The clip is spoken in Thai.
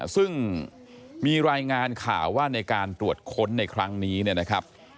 ซึ่งมีรายงานข่าวว่าในการตรวจค้นในครั้งนี้เนี่ยนะครับ